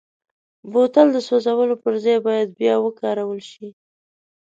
بوتل د سوزولو پر ځای باید بیا وکارول شي.